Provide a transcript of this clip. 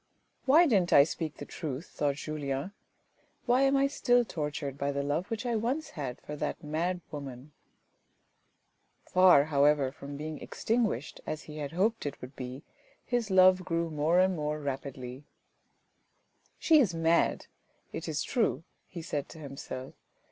" Why didn't I speak the truth ?" thought Julien. " Why am I still tortured by the love which I once had for that mad woman ?" Far, however, from being extinguished as he had hoped it would be, his love grew more and more rapidly. " She is mad, it is true," he said to himself.